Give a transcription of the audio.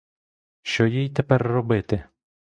Що їй тепер робити?